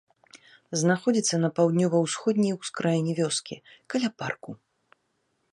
Знаходзіцца на паўднёва-ўсходняй ускраіне вёскі, каля парку.